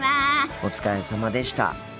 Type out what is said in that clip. お疲れさまでした。